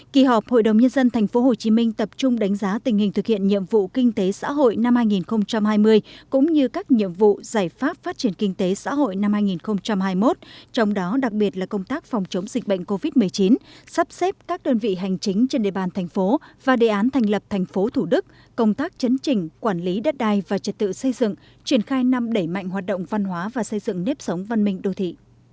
kỳ họp này hội đồng nhân dân thành phố hà nội cũng dành một ngày cho phiên chất vấn và nơi công tác phát triển kinh tế xã hội năm hai nghìn hai mươi một trong đó đặc biệt là công tác phòng chống dịch bệnh covid một mươi chín sắp xếp các đơn vị hành chính trên địa bàn thành phố và đề án thành lập thành phố thủ đức công tác chấn trình quản lý đất đai và trật tự xây dựng triển khai năm đẩy mạnh hoạt động văn hóa và xây dựng nếp sống văn minh đô thị